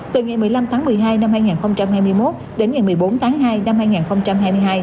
từ ngày một mươi năm tháng một mươi hai năm hai nghìn hai mươi một đến ngày một mươi bốn tháng hai năm hai nghìn hai mươi hai